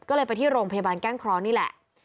ก็เลยไปที่โรงพยาบาลแก้งเคราะห์นี่แหละ